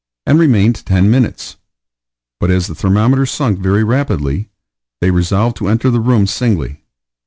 and remained ten minutes; but as the thermometer sunk very rapidly, they resolved to enter the room singly.